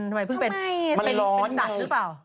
ทำไมเพิ่งเป็นสัตว์หรือเปล่า